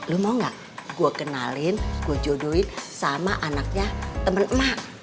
lu mau enggak gua kenalin gua jodohin sama anaknya temen emak